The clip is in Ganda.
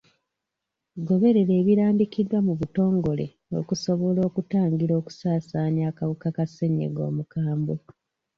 Goberera ebirambikiddwa mu butongole okusobola okutangira okusaasaanya akawuka ka ssenyiga omukambwe.